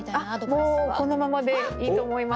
もうこのままでいいと思います。